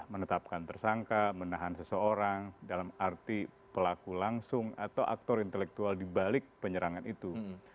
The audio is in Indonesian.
menetapkan tersangka menahan seseorang dalam arti pelaku langsung atau aktor intelektual dibalik penyerangan itu